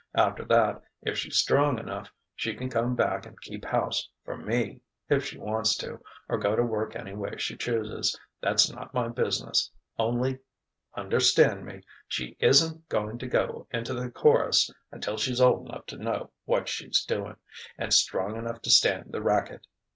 After that, if she's strong enough, she can come back and keep house for me, if she wants to, or go to work any way she chooses that's not my business. Only understand me she isn't going to go into the chorus until she's old enough to know what she's doin', and strong enough to stand the racket.